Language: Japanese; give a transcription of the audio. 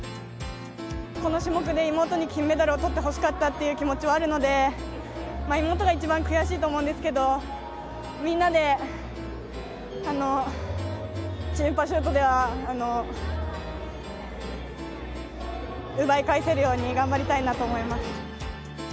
この種目で妹に金メダルをとって欲しかったっていう気持ちはあるので、妹が一番悔しいと思うんですけど、みんなで、チームパシュートでは、奪い返せるように頑張りたいなと思います。